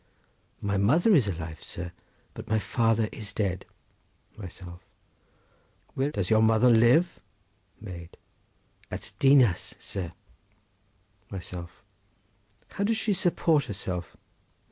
—My mother is alive, sir, but my father is dead. Myself.—Where does your mother live? Maid.—At Dinas, sir. Myself.—How does she support herself?